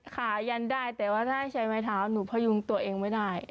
หายันได้แต่ว่าถ้าใช้ไม้เท้าหนูพยุงตัวเองไม่ได้